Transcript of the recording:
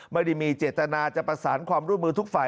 ไม่ได้มีเจตนาจะประสานความร่วมมือทุกฝ่าย